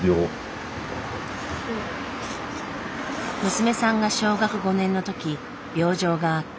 娘さんが小学５年のとき病状が悪化。